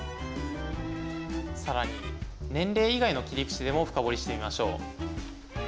さらに年齢以外の切り口でも深掘りしてみましょう。